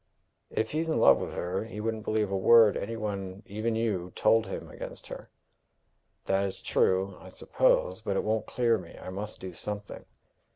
"If he's in love with her, he wouldn't believe a word any one even you told him against her." "That is true, I suppose; but it won't clear me. I must do something."